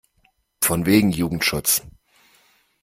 Von wegen Jugendschutz!